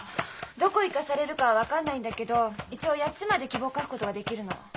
どこへ行かされるかは分かんないんだけど一応８つまで希望を書くことができるの。